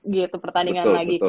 gitu pertandingan lagi